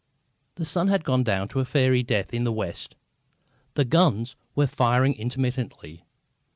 The sun had gone down to a fiery death in the west. The guns were firing intermittently.